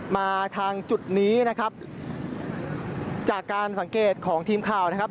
มาทางจุดนี้นะครับจากการสังเกตของทีมข่าวนะครับ